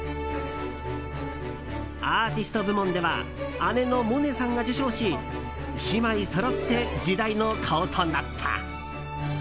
アーティスト部門では姉の萌音さんが受賞し姉妹そろって時代の顔となった。